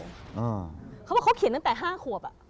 เขาบอกเขาเขียนตั้งแต่๕ขวบอ่ะ